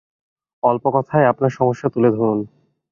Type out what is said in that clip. অল্প কথায় আপনার সমস্যা তুলে ধরুন।